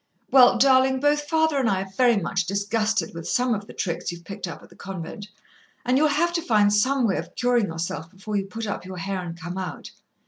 "Well, darling, both father and I are very much disgusted with some of the tricks you've picked up at the convent, and you'll have to find some way of curin' yourself before you put up your hair and come out.